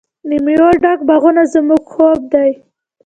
د میوو ډک باغونه زموږ خوب دی.